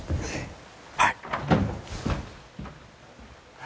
はい。